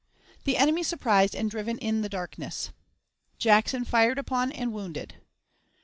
The Enemy surprised and driven in the Darkness. Jackson fired upon and wounded.